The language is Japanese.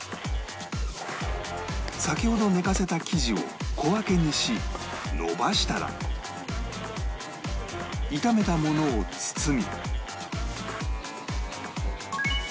先ほど寝かせた生地を小分けにし延ばしたら炒めたものを包み